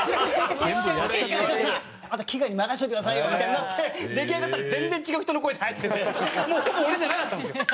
あと機械に任せといてくださいよみたいになって出来上がったら全然違う人の声で入っててもうほぼ俺じゃなかったんですよ。